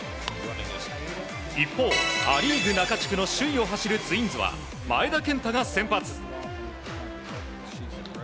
一方、ア・リーグ中地区の首位を走るツインズは前田健太が先発。